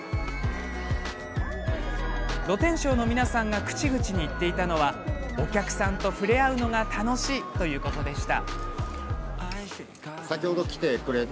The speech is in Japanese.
露天商の皆さんが口々に言っていたのはお客さんと触れ合うのが楽しいということでした。